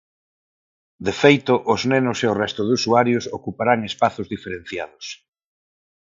De feito, os nenos e o resto de usuarios ocuparán espazos diferenciados.